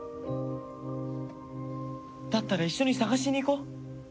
だったら一緒に捜しに行こう。